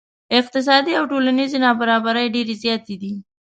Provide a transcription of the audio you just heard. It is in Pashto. اقتصادي او ټولنیزې نا برابرۍ ډیرې زیاتې دي.